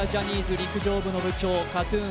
陸上部の部長ＫＡＴ−ＴＵＮ